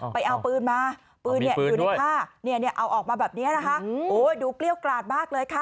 ไปเอาปืนมาปืนอยู่ในผ้าเอาออกมาแบบนี้นะคะโอ้ดูเกลี้ยวกราดมากเลยค่ะ